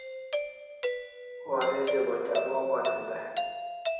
Waresho batyak wow parim dai